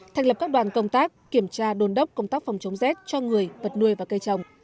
thành lập các đoàn công tác kiểm tra đồn đốc công tác phòng chống rét cho người vật nuôi và cây trồng